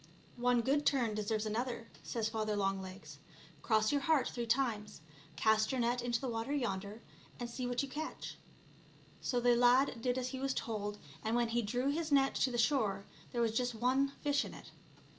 " One good turn deserves another/* says Father Longlegs ;" cross your heart three times, cast your net into the water yonder, and see what you catch. So the lad did as he was told, and when he drew his net to the shore, there was just one fish in it.